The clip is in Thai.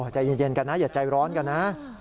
ใจเย็นกันนะอย่าใจร้อนกันนะ